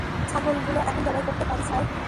ছাগলগুলো এখন জবাই করতে পারি, স্যার?